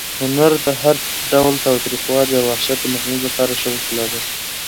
هنر د هر ډول تاوتریخوالي او وحشت د مخنیوي لپاره ښه وسله ده.